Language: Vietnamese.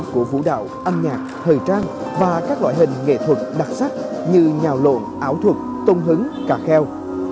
của vũ đạo âm nhạc thời trang và các loại hình nghệ thuật đặc sắc như nhào lộn ảo thuật tung hứng cà kheo